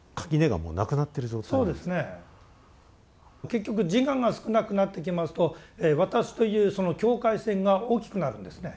結局自我が少なくなってきますと私というその境界線が大きくなるんですね。